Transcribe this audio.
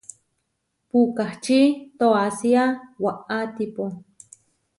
Puʼkáči toasía waʼátipo.